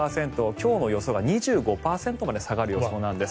今日の予想が２５％まで下がる予想なんです。